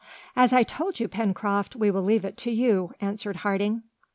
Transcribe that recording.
"As I told you, Pencroft, we will leave it to you," answered Harding.